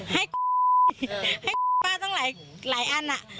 ให้ให้ป้าต้องหลายอันอะ